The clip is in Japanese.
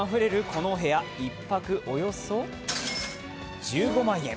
このお部屋、１泊およそ１５万円。